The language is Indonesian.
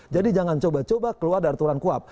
jadi jangan coba coba keluar dari aturan kuhab